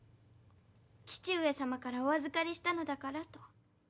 義父上様からお預かりしたのだからと。